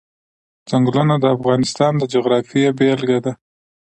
ځنګلونه د افغانستان د جغرافیې بېلګه ده.